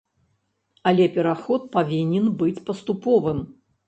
Але пераход павінен быць паступовым.